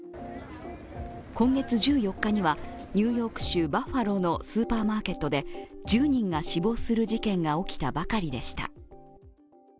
今月１４日にはニューヨーク州バッファローのスーパーマーケットで１０人が死亡する事件が起きたばかりでした。